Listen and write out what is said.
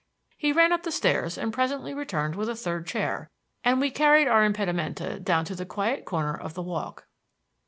He ran up the stairs, and presently returned with a third chair, and we carried our impedimenta down to the quiet corner of the Walk.